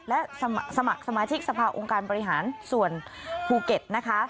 และสมัครสมาชิกสภาองค์การบริหารส่วนภูเก็ตนะคะ